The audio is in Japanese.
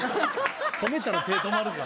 褒めたら手止まるから。